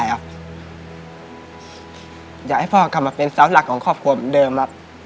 อยากให้พ่อกลับมาเป็นเสาหลักของครอบครัวเหมือนเดิมครับ